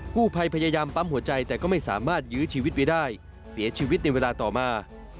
กู้ภัยพยายามปั๊มหัวใจแต่ก็ไม่สามารถยื้อชีวิตไว้ได้เสียชีวิตในเวลาต่อมา